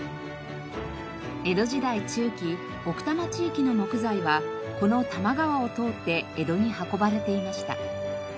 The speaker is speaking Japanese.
江戸時代中期奥多摩地域の木材はこの多摩川を通って江戸に運ばれていました。